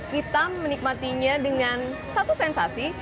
kita menikmatinya dengan satu sensasi